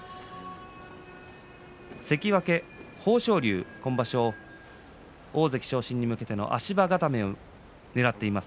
関脇の豊昇龍は今場所大関昇進に向けての足場固めをねらっています。